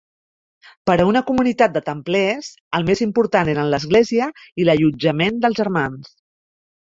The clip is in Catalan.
Per a una comunitat de templers, el més important eren l'església i l'allotjament dels germans.